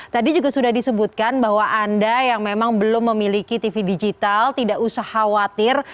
tadi juga sudah disebutkan bahwa anda yang memang belum memiliki tv digital tidak usah khawatir